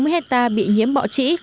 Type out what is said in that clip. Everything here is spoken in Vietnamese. sáu mươi hectare bị nhiễm bọ trĩ